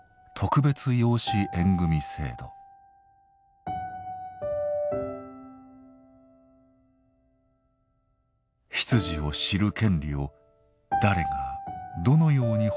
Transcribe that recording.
出自を知る権利を誰がどのように保障し支えていくのか。